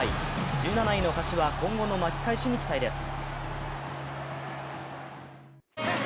１７位の柏今後の巻き返しに期待です。